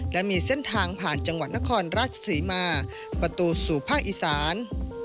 และมีเส้นทางผ่านจังหวัดนครราชศรีมาประตูสู่ภาคอีสาน